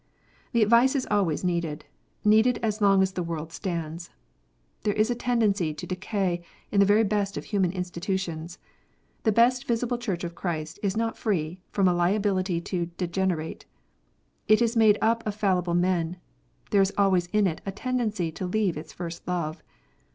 The advice is always needed, needed as long as the world stands. There is a tendency to decay in the very best of human institutions. The best visible Church of Christ is not free from a liability to degenerate. It is made up of fallible men. There is always in it a tendency to leave its first love.